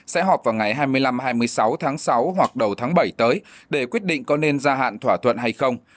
sẽ họp vào ngày hai mươi năm hai mươi sáu tháng sáu hoặc đầu tháng bảy tới để quyết định có nên gia hạn thỏa thuận hay không